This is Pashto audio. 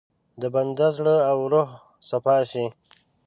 د بنده زړه او روح صفا شي.